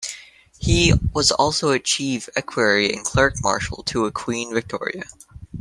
He was also a Chief Equerry and Clerk Marshall to Queen Victoria.